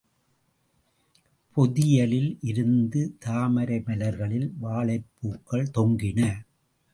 பொதியலில் இருந்த தாமரை மலர்களில் வாழைப் பூக்கள் தொங்கின.